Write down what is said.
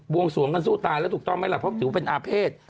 วงสวงกันสู้ตายแล้วถูกต้องไหมล่ะเพราะถือว่าเป็นอาเภษ